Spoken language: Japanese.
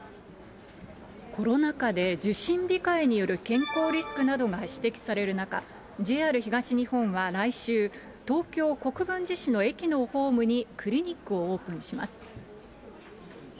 コロナ禍で、受診控えによる健康リスクなどが指摘される中、ＪＲ東日本は来週、東京・国分寺市の駅のホームに、クリニックをオープンします。